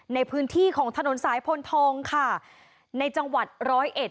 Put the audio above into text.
ในพื้นที่ของถนนสายพลทองค่ะในจังหวัดร้อยเอ็ด